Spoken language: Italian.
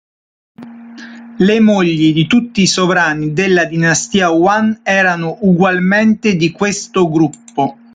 Le mogli di tutti i sovrani della dinastia Yuan erano ugualmente di questo gruppo.